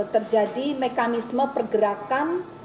terjadi mekanisme pergerakan